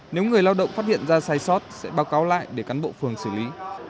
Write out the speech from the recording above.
nếu người lao động phát hiện ra sai sót sẽ báo cáo lại để cán bộ phường xử lý